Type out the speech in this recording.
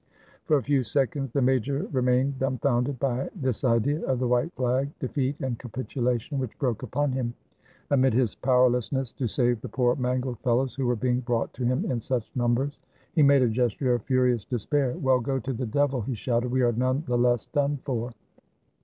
For a few seconds the major remained dumbfounded by this idea of the white flag, defeat, and capitulation, which broke upon him amid his powerlessness to save the poor mangled fellows who were being brought to him in such numbers. He made a gesture of furious despair. "Well, go to the devil!" he shouted; "we are none the less done for."